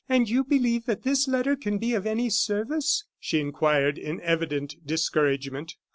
"And you believe that this letter can be of any service?" she inquired, in evident discouragement.